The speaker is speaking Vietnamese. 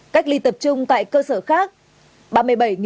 cách ly tập trung tại cơ sở khác là ba mươi bảy năm trăm bốn mươi bốn